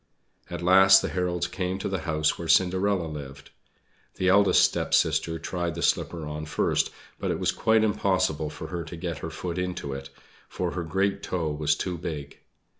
At last the heralds came to the house where Cinderella lived. The eldest stepsister tried the slipper on first, but it was quite impossible for her to get her foot into it, for her great toe was too big.